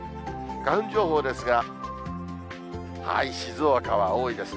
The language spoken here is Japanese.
花粉情報ですが、静岡は多いですね。